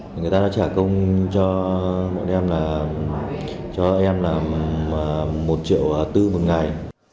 người ta đã trả công cho em là một triệu tư một ngày